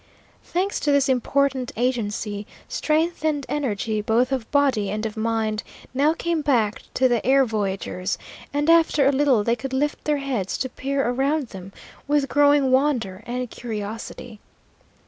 Thanks to this important agency, strength and energy both of body and of mind now came back to the air voyagers, and after a little they could lift their heads to peer around them with growing wonder and curiosity.